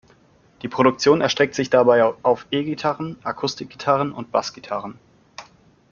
Die Produktion erstreckt sich dabei auf E-Gitarren, Akustik-Gitarren und Bass-Gitarren.